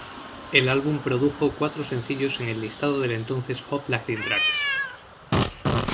El álbum produjo cuatro sencillos en el listado del entonces Hot Latin Tracks.